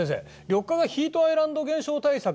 緑化がヒートアイランド現象対策